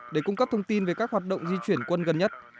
để cung cấp thông tin về các hoạt động di chuyển quân gần nhất